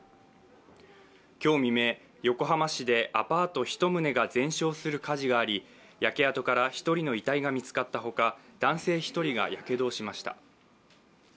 今日未明、横浜市でアパート１棟が全焼する火事があり焼け跡から１人の遺体が見つかったほか、男性１人がやけどをしました。